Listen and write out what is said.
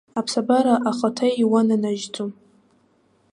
Аԥсабара ахаҭа иуананажьӡом.